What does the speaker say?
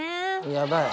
やばい。